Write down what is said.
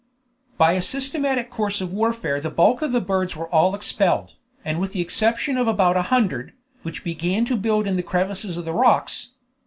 By a systematic course of warfare the bulk of the birds were all expelled, with the exception of about a hundred, which began to build in the crevices of the rocks.